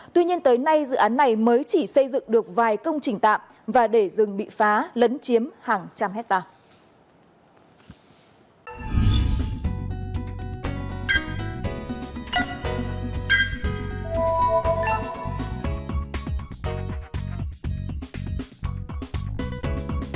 tuy nhiên tới nay dự án này mới chỉ xây dựng được vài công trình tạm và để rừng bị phá lấn chiếm hàng trăm hectare